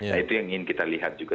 nah itu yang ingin kita lihat juga